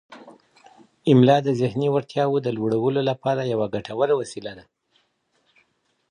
املا د ذهني وړتیاوو د لوړولو لپاره یوه ګټوره وسیله ده.